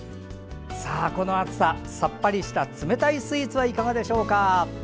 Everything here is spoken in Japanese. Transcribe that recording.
この暑さ、さっぱりした冷たいスイーツはいかがでしょう。